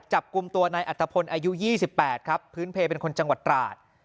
จับกลุ่มตัวในอัตภพลอายุยี่สิบแปดครับพื้นเพลย์เป็นคนจังหวัดตราด